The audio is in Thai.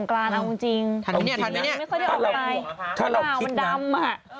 ลาวมันดำ